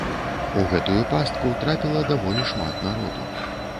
У гэтую пастку трапіла даволі шмат народу.